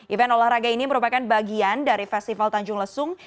event olahraga ini merupakan bagian dari festival tanjung lesung